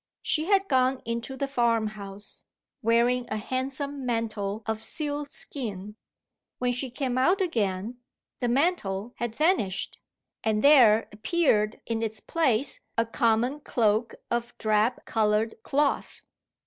She had gone into the farmhouse, wearing a handsome mantle of sealskin. When she came out again, the mantle had vanished, and there appeared in its place a common cloak of drab coloured cloth.